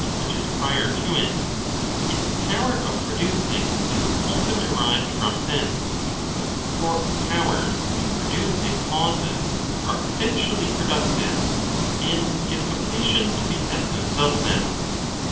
which is prior to it, its power of producing is also derived from thence ; for powers in producing causes are essentially productive, and give completion to the essence of them.